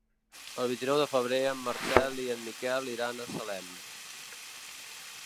El vint-i-nou de febrer en Marcel i en Miquel iran a Salem.